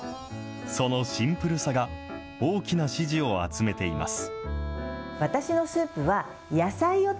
そのシンプルさが、大きな支持を集めています。